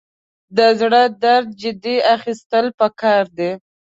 د زړه درد جدي اخیستل پکار دي.